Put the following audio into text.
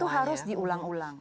itu harus diulang ulang